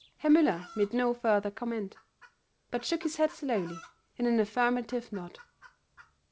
Herr Müller made no further comment, but shook his head slowly in an affirmative nod.